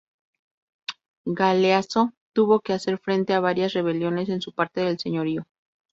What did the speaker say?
Galeazzo tuvo que hacer frente a varias rebeliones en su parte del Señorío.